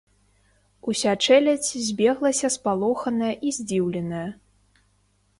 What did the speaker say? Уся чэлядзь збеглася спалоханая і здзіўленая.